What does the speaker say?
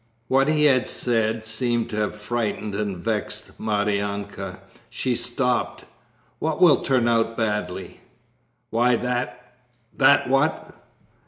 What he had said seemed to have frightened and vexed Maryanka. She stopped, 'What will turn out badly?' 'Why, that!' 'That what?'